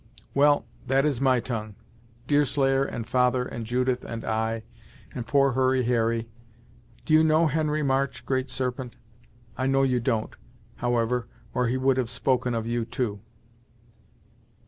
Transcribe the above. "Well, that is my tongue. Deerslayer, and father, and Judith, and I, and poor Hurry Harry do you know Henry March, Great Serpent? I know you don't, however, or he would have spoken of you, too."